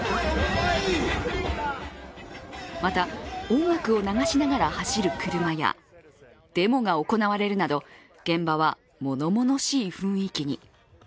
また音楽を流しながら走る車やデモが行われるなど現場はものものしい雰囲気に。